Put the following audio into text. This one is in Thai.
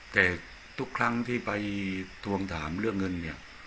แต่ทุกครั้งที่ไปทวงถามเรื่องเงินเนี่ย